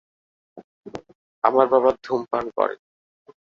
আমার বাবা ধূমপান করে।